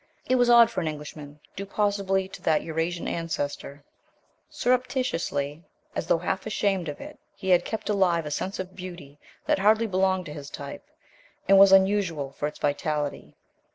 It was odd for an Englishman, due possibly to that Eurasian ancestor. Surreptitiously, as though half ashamed of it, he had kept alive a sense of beauty that hardly belonged to his type, and was unusual for its vitality.